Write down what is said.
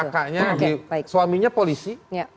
kakaknya suaminya polisi